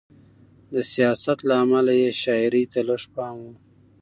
د سیاست له امله یې شاعرۍ ته لږ پام و.